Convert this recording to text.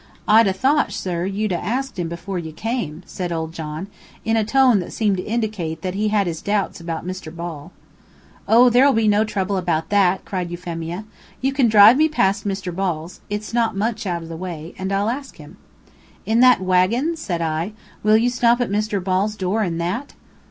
"I'd 'a' thought, sir, you'd 'a' asked him that before you came," said old John, in a tone that seemed to indicate that he had his doubts about Mr. Ball. "Oh, there'll be no trouble about that," cried Euphemia. "You can drive me past Mr. Ball's, it's not much out of the way, and I'll ask him." "In that wagon?" said I. "Will you stop at Mr. Ball's door in that?"